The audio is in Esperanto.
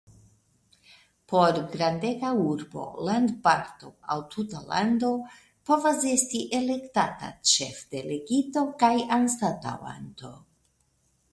Por grandega urbo, landparto aŭ tuta lando povas esti elektata Ĉefdelegito kaj anstataŭanto.